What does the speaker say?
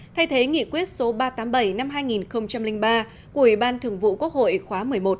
thay thế nghị quyết số ba trăm tám mươi bảy năm hai nghìn ba của ủy ban thường vụ quốc hội khóa một mươi một